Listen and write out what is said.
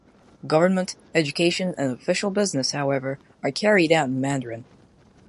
Government, education, and official business, however, are carried out in Mandarin.